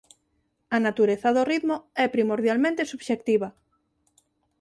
A natureza do ritmo é primordialmente subxectiva.